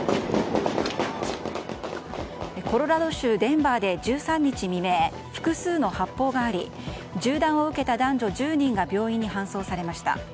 コロラド州デンバーで１３日未明、複数の発砲があり銃弾を受けた男女１０人が病院に搬送されました。